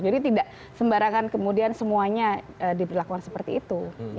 jadi tidak sembarangan kemudian semuanya diberlakukan seperti itu